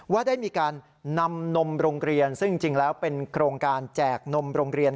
ว่าได้มีการนำนมโรงเรียนซึ่งจริงแล้วเป็นโครงการแจกนมโรงเรียน